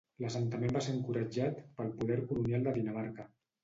L'assentament va ser encoratjat pel poder colonial de Dinamarca.